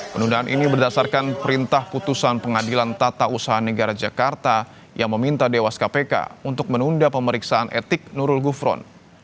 penundaan ini berdasarkan perintah putusan pengadilan tata usaha negara jakarta yang meminta dewas kpk untuk menunda pemeriksaan etik nurul gufron